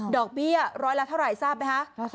เบี้ยร้อยละเท่าไหร่ทราบไหมคะ